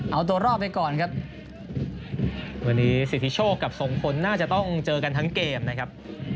เอาตัวรอดไปก่อนครับวันนี้สิทธิโชคกับสองคนน่าจะต้องเจอกันทั้งเกมนะครับ